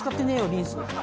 リンス。